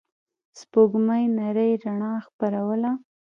سپوږمۍ نرۍ رڼا خپروله.